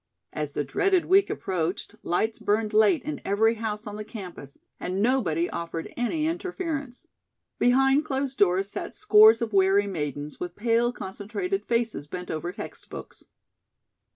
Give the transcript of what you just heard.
As the dreaded week approached, lights burned late in every house on the campus and nobody offered any interference. Behind closed doors sat scores of weary maidens with pale concentrated faces bent over text books.